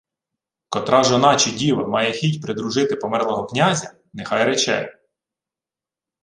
— Котра жона чи діва має хіть придружити померлого князя, нехай рече.